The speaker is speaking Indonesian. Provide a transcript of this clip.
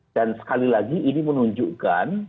dan sekali lagi ini menunjukkan